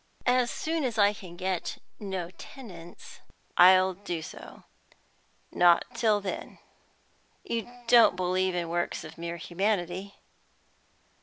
As soon as I can get no tenants I'll do so; not till then." "You don't believe in works of mere humanity?"